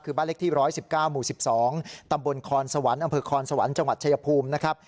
คือบ้านเล็กที่๑๑๙หมู่๑๒ตำบลคอนสวรรค์อำเภอคอนสวรรค์จังหวัดชายภูมินะครับ